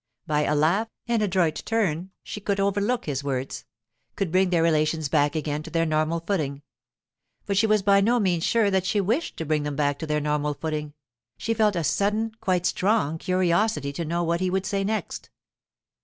By a laugh, an adroit turn, she could overlook his words; could bring their relations back again to their normal footing. But she was by no means sure that she wished to bring them back to their normal footing; she felt a sudden, quite strong curiosity to know what he would say next.